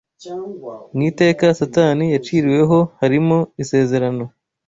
Mu iteka Satani yaciriweho, harimo isezerano